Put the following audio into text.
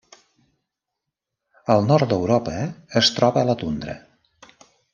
Al nord d'Europa es troba a la tundra.